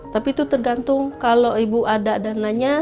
tapi itu tergantung kalau ibu ada dananya